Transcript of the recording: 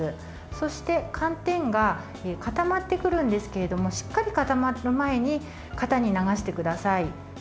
そして、寒天が固まってくるんですけれどもしっかり固まる前に型に流してください。